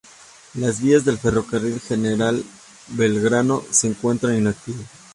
Las vías del Ferrocarril General Belgrano se encuentran inactivas.